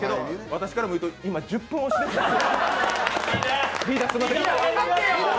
私からも今、１０分押しです！